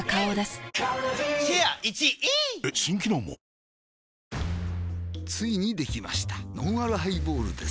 ニトリついにできましたのんあるハイボールです